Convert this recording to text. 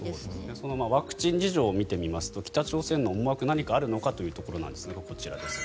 そのワクチン事情を見てみますと北朝鮮の思惑何かあるのかというところですがこちらです。